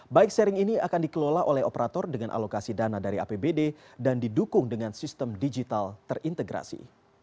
bike sharing ini akan dikelola oleh operator dengan alokasi dana dari apbd dan didukung dengan sistem digital terintegrasi